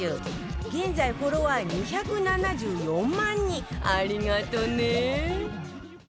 現在フォロワー２７４万人！ありがとね